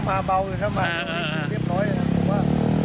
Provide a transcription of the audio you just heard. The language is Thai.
ปลาเบาอยู่เข้ามาเป็นวีดีโปรด